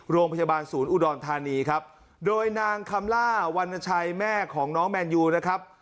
โรงพยาบาลศูนย์อุดรธานีครับโดยนางคำล่าวรรณชัยแม่ของน้องแมนยูนะครับ